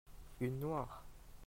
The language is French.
une noire.